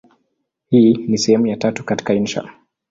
Hii ni sehemu ya tatu katika insha.